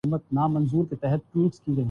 تو انہوں نے بتایا کہ بزنس خراب ہے۔